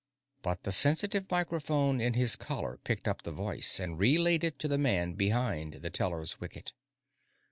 But the sensitive microphone in his collar picked up the voice and relayed it to the man behind the teller's wicket.